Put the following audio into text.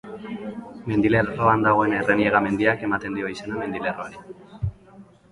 Mendilerroan dagoen Erreniega mendiak ematen dio izena mendilerroari.